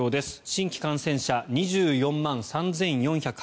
新規感染者、２４万３４８３人。